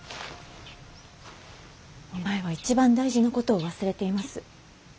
お前は一番大事なことを忘れています。